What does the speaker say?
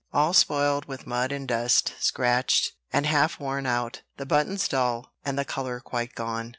all spoiled with mud and dust, scratched, and half worn out, the buttons dull, and the color quite gone.